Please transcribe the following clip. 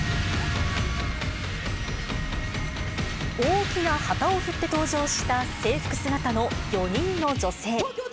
大きな旗を振って登場した、制服姿の４人の女性。